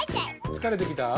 つかれてきた？